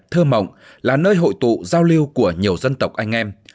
thơ mộng là nơi hội tụ giao lưu của nhiều dân tộc anh em